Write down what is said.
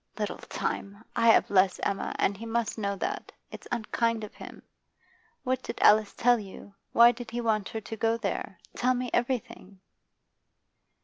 'Little time! I have less, Emma, and he must know that. It's unkind of him. What did Alice tell you? Why did he want her to go there? Tell me everything.